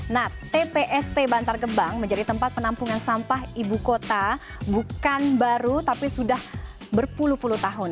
nah tpst bantar gebang menjadi tempat penampungan sampah ibu kota bukan baru tapi sudah berpuluh puluh tahun